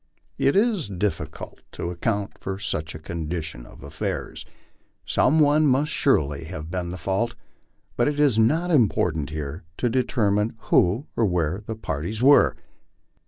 It is difficult to account for such a condition of affairs. Some one must surely have been at fault ; but it is not important here to determine v. ho or where the parties were.